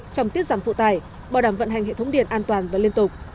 chồng tiết giảm phụ tài bảo đảm vận hành hệ thống điện an toàn và liên tục